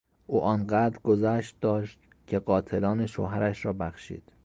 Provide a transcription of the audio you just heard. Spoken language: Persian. او آن قدر گذشت داشت که قاتلان شوهرش را بخشید.